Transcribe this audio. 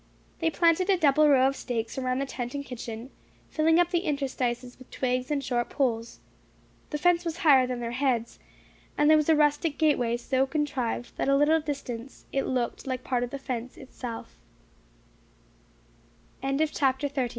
They planted a double row of stakes around the tent and kitchen, filling up the interstices with twigs and short poles. The fence was higher than their heads, and there was a rustic gateway so contrived that at a little distance it looked like part of the fence its